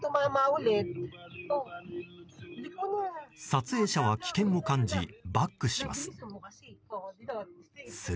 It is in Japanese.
撮影者は危険を感じバックします。